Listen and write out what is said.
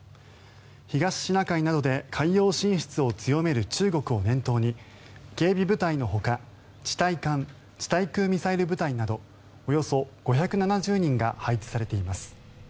東シナ海などで海洋進出を強める中国を念頭に警備部隊のほか、地対艦地対空ミサイル部隊などおよそ５７０人が配置されています。